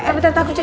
eh bentar aku cek